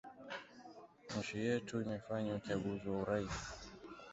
nchi yetu imefanya uchaguzi wa urais